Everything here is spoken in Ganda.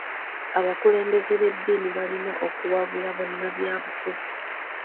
Abakulembeze b'ediini balina okuwabula banabyabufuzi.